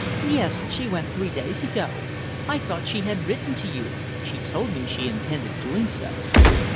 "Yes, she went three days ago. I thought she had written to you. She told me she intended doing so."